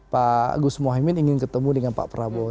pak gus mohaimin ingin ketemu dengan pak prabowo